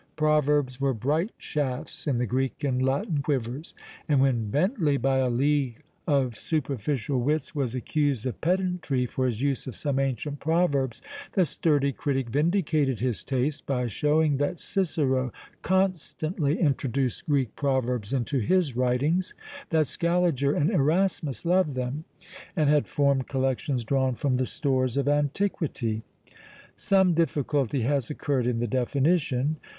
Proverbs were bright shafts in the Greek and Latin quivers; and when Bentley, by a league of superficial wits, was accused of pedantry for his use of some ancient proverbs, the sturdy critic vindicated his taste by showing that Cicero constantly introduced Greek proverbs into his writings, that Scaliger and Erasmus loved them, and had formed collections drawn from the stores of antiquity. Some difficulty has occurred in the definition.